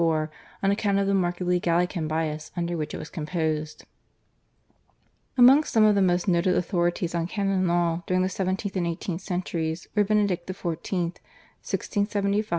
(1684) on account of the markedly Gallican bias under which it was composed. Amongst some of the most noted authorities on Canon Law during the seventeenth and eighteenth centuries were /Benedict XIV.